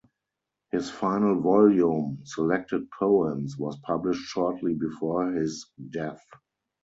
His final volume, "Selected Poems", was published shortly before his death.